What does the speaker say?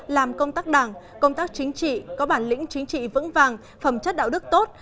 làm công tác đảng công tác chính trị có bản lĩnh chính trị vững vàng phẩm chất đạo đức tốt